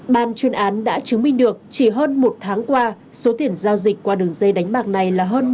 ban chuyên án đã chứng minh được chỉ hơn một tháng qua số tiền giao dịch qua đường dây đánh bạc này là hơn một mươi năm tỷ đồng